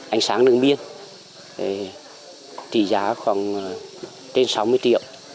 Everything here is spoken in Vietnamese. anh sáng đường biên thì trị giá khoảng trên sáu mươi triệu